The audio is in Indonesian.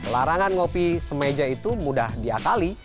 larangan ngopi semeja itu mudah diakali